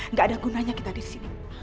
nggak ada gunanya kita di sini